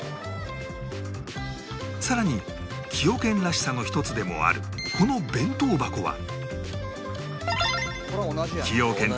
さらに崎陽軒らしさの一つでもあるこの弁当箱は